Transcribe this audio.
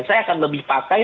saya akan lebih pakai